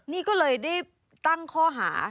นี่ก็เลยได้ตั้งข้อหา